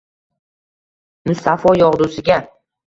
Musaffo yogʼdusiga